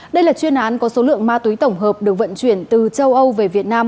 đây là chuyên án có số lượng ma túy tổng hợp được vận chuyển từ châu âu về việt nam